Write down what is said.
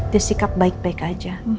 dia sikap baik baik aja